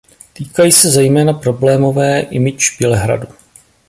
Týkají se zejména problémové image Bělehradu.